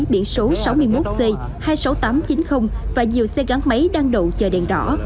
biển số sáu mươi một c hai mươi sáu nghìn tám trăm chín mươi và nhiều xe gắn máy đang đậu chờ đèn đỏ